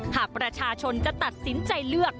หากประชาชนจะตัดสินใจเลือก